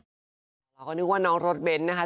เหมาะกเขานึกว่าน้องโลดเบนท์นะครับ